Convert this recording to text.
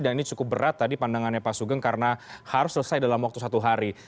dan ini cukup berat tadi pandangannya pak sugeng karena harus selesai dalam waktu satu hari